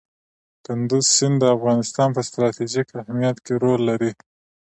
کندز سیند د افغانستان په ستراتیژیک اهمیت کې رول لري.